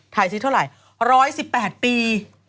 ถ่ายสิทธิ์เท่าไหร่๑๑๘ปี